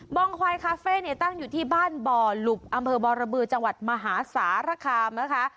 องควายคาเฟ่เนี่ยตั้งอยู่ที่บ้านบ่อหลุบอำเภอบรบือจังหวัดมหาสารคามนะคะ